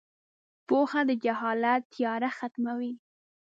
• پوهه د جهالت تیاره ختموي.